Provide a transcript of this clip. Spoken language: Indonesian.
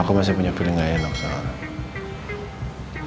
aku masih punya feeling gak enak sama nek